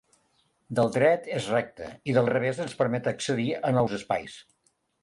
Del dret és recte i del revés ens permet accedir a nous espais.